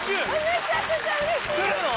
めちゃくちゃうれしいくるの？